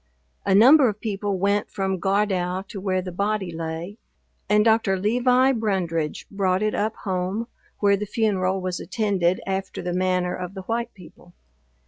A number of people went from Gardow to where the body lay, and Doct. Levi Brundridge brought it up home, where the funeral was attended after the manner of the white people.